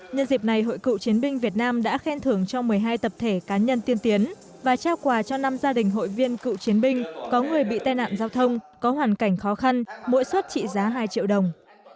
nhân dịp này hội cựu chiến binh việt nam đã khen thưởng cho một mươi hai tập thể cá nhân tiên tiến và trao quà cho năm gia đình hội viên cựu chiến binh có người bị tai nạn giao thông có hoàn cảnh khó khăn mỗi suất trị giá hai triệu đồng